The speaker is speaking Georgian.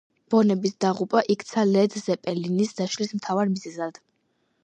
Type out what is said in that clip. ბონემის დაღუპვა იქცა ლედ ზეპელინის დაშლის მთავარ მიზეზად.